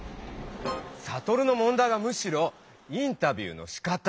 サトルのもんだいはむしろインタビューのしかた！